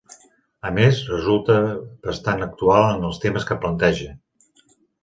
A més, resulta bastant actual en els temes que planteja.